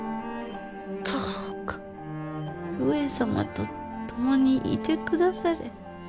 どうか上様と共にいて下され。